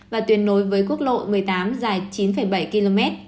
và tuyệt nối với quốc lộ một mươi tám dài chín bảy km